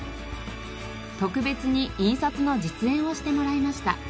特別に印刷の実演をしてもらいました。